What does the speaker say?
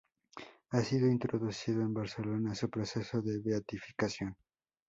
Ha sido introducido en Barcelona su proceso de beatificación.